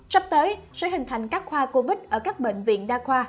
sắp tới sẽ hình thành các khoa covid ở các bệnh viện đa khoa